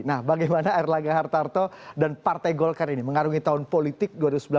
nah bagaimana erlangga hartarto dan partai golkar ini mengarungi tahun politik dua ribu sembilan belas